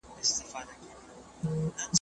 د درسي نصابونو اوسمهالي کول اړین دي.